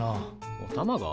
おたまが？